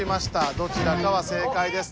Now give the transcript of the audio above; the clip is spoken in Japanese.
どちらかは正解です。